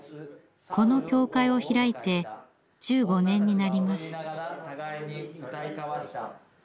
この教会を開いて１５年になります。